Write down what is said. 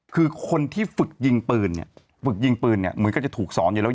คือคนที่ฝึกยิงปืนฝึกยิงปืนมือก็จะถูกสอนอยู่แล้ว